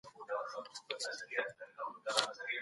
په دې میلادي پيړۍ کي افغانستان د ناوړه سیاسي پېښو قربانی سو.